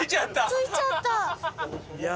着いちゃった！